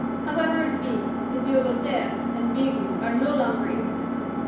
However it be, Monsieur Doltaire and Bigot are no longer intimate.